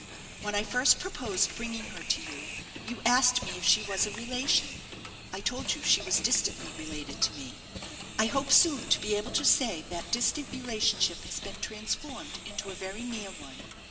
When I first proposed bringing her to you, you asked me if she was a relation; I told you he was distantly related to me. I hope soon to be able to say that distant relationship has been transformed into a very near one.